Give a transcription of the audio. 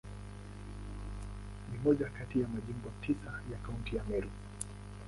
Ni moja kati ya Majimbo tisa ya Kaunti ya Meru.